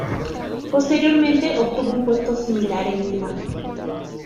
Posteriormente obtuvo un puesto similar en Milán.